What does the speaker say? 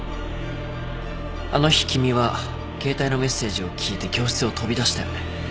あの日君は携帯のメッセージを聞いて教室を飛び出したよね。